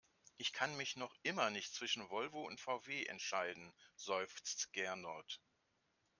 Ich kann mich noch immer nicht zwischen Volvo und VW entscheiden, seufzt Gernot.